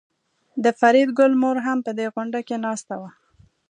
د فریدګل مور هم په دې غونډه کې ناسته وه